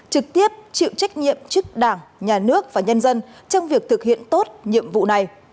trực tiếp chịu trách nhiệm trước đảng nhà nước và nhân dân trong việc thực hiện tốt nhiệm vụ này